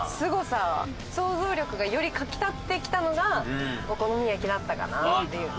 想像力がよりかき立ってきたのがお好み焼きだったかなっていう。